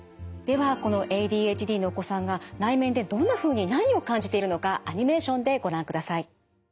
ではこのＡＤＨＤのお子さんが内面でどんなふうに何を感じているのかアニメーションでご覧ください。